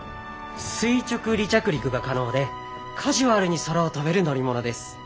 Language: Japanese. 垂直離着陸が可能でカジュアルに空を飛べる乗り物です。